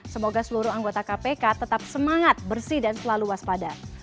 semoga seluruh anggota kpk tetap semangat bersih dan selalu waspada